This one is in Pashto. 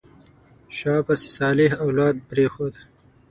شا پسې صالح اولاد پرېښود.